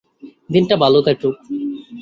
দিনটা ভালো কাটুক।